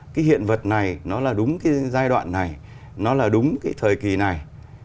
cái hiện vật này nó là đúng cái giai đoạn này nó là đúng cái thời kỳ này